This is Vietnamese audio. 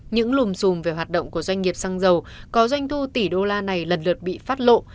những lùm xùm về hoạt động của doanh nghiệp xăng dầu có doanh thu tỷ đô la này lần lượt bị phát lộ